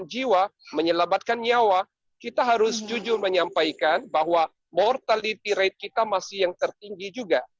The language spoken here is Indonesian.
jiwa menyelamatkan nyawa kita harus jujur menyampaikan bahwa mortality rate kita masih yang tertinggi juga